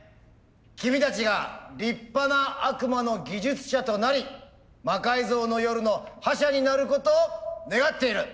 君たちが立派な悪魔の技術者となり「魔改造の夜」の覇者になることを願っている！